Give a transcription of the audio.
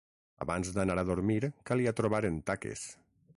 Abans d'anar a dormir calia trobar en Taques.